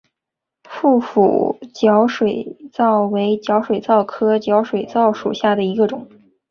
腹斧角水蚤为角水蚤科角水蚤属下的一个种。